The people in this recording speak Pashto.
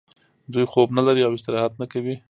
دوی خوب نلري او استراحت نه کوي